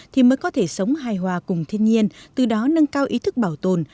thì mới có thể sống hài hòa cùng thiên nhiên từ đó nâng cao ý thức bảo tồn